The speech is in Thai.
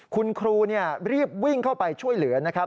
คุณครูรีบวิ่งเข้าไปช่วยเหลือนะครับ